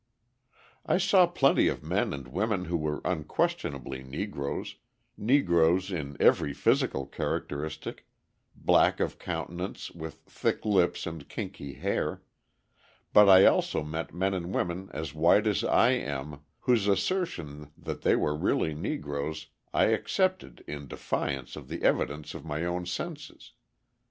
I saw plenty of men and women who were unquestionably Negroes, Negroes in every physical characteristic, black of countenance with thick lips and kinky hair, but I also met men and women as white as I am, whose assertion that they were really Negroes I accepted in defiance of the evidence of my own senses.